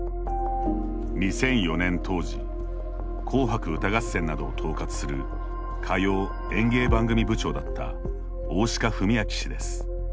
２００４年当時紅白歌合戦などを統括する歌謡・演芸番組部長だった大鹿文明氏です。